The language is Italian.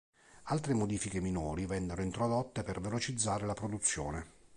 Altre modifiche minori vennero introdotte per velocizzare la produzione.